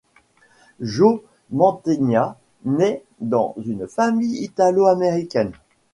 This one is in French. Joe Mantegna naît dans une famille italo-américaine.